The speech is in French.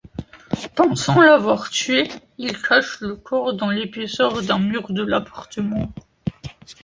Pensant l'avoir tué, Il cache le corps dans l'épaisseur d'un mur de l'appartement.